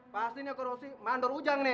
pastinya ke roshi mandor hujang nih